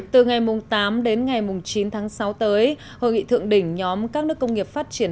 từ ngày tám đến ngày chín tháng sáu tới hội nghị thượng đỉnh nhóm các nước công nghiệp phát triển